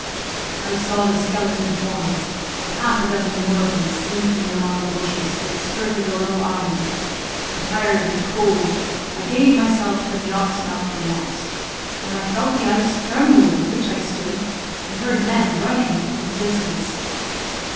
"I saw the skeleton forms of half a dozen more of them slinking among the bushes that skirted a low island; and tired and cold, I gave myself and the oxen up for lost, when I felt the ice tremble on which I stood, and heard men running at a little distance.